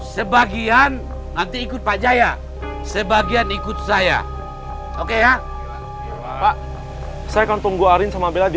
sebagian nanti ikut pak jaya sebagian ikut saya oke ya pak saya akan tunggu arin sama bela di